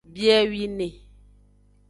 Biewine.